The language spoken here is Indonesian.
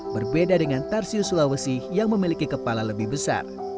berbeda dengan tarsius sulawesi yang memiliki kepala lebih besar